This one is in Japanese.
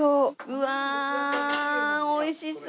うわ美味しそう。